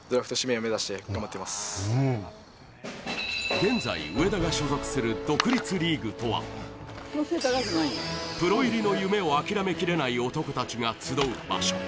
現在、植田が所属する独立リーグとは、プロ入りの夢を諦めきれない男たちが集う場所。